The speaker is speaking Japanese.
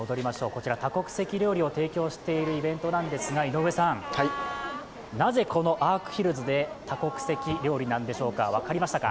こちら、多国籍料理を提供しているイベントなんですが井上さん、なぜこのアークヒルズで多国籍料理なんでしょうか？